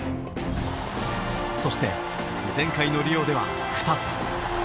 そして前回のリオでは２つ。